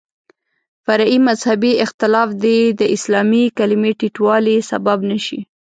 فرعي مذهبي اختلاف دې د اسلامي کلمې ټیټوالي سبب نه شي.